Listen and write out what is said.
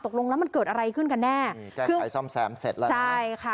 ตกลงแล้วมันเกิดอะไรขึ้นกันแน่นี่แก้ไขซ่อมแซมเสร็จแล้วนะใช่ค่ะ